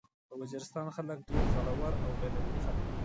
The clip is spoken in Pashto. د وزيرستان خلک ډير زړور او غيرتي خلک دي.